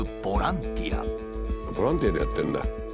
ボランティアでやってるんだ。